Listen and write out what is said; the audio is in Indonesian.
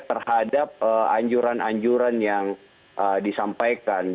terhadap anjuran anjuran yang disampaikan